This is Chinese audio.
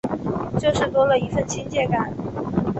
就是多了一分亲切感